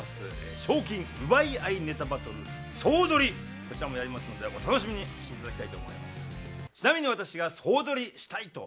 賞金奪い合いネタバトル総取り、こちらもやりますのでお楽しみにしていてください。